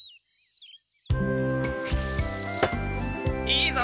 いいぞ！